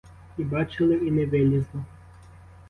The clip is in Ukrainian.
І бачили, і не вилізло!